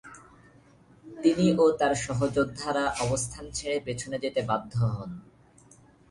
তিনি ও তার সহযোদ্ধারা অবস্থান ছেড়ে পেছনে যেতে বাধ্য হন।